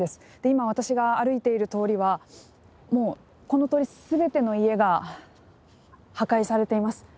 今私が歩いている通りはこのとおり全ての家が破壊されています。